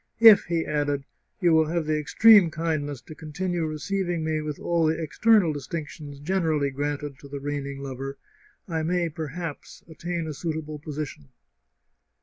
" If," he added, " you will have the extreme kindness to continue receiv ing me with all the external distinctions generally granted to the reigning lover, I may, perhaps, attain a suitable position."